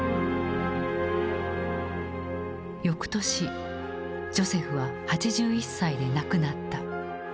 よくとしジョセフは８１歳で亡くなった。